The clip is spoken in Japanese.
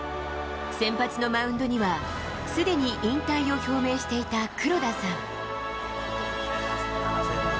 先発のマウンドには、すでに引退を表明していた黒田さん。